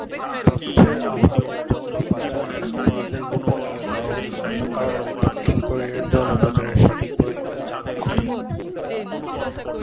তথ্যের অভাব, যৌন পাচার অপরাধের গোপনীয়তা ও অন্যান্য কারণের কারণে দক্ষিণ কোরিয়ায় যৌন পাচারের সঠিক পরিমাণ জানা কঠিন।